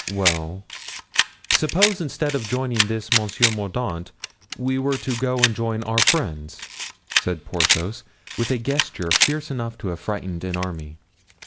"Well, suppose instead of joining this Monsieur Mordaunt we were to go and join our friends?" said Porthos, with a gesture fierce enough to have frightened an army.